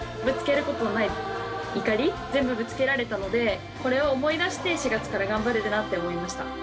ぶつけることのない怒り全部ぶつけられたのでこれを思い出して４月から頑張れるなって思いました。